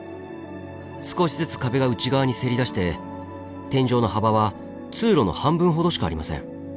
少しずつ壁が内側にせり出して天井の幅は通路の半分ほどしかありません。